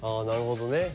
なるほどね。